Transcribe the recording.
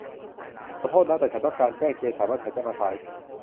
ขอโทษนะ แต่ฉันต้องการแจ้งเจสันว่าฉันจะมาสาย